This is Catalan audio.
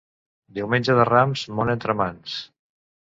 Diumenge de Rams, mona entre mans.